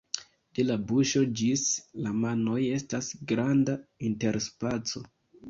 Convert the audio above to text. De la buŝo ĝis la manoj estas granda interspaco.